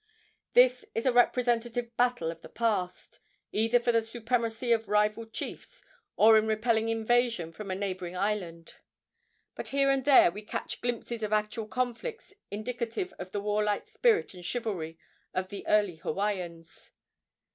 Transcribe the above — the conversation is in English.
This is a representative battle of the past, either for the supremacy of rival chiefs or in repelling invasion from a neighboring island. But here and there we catch glimpses of actual conflicts indicative of the warlike spirit and chivalry of the early Hawaiians.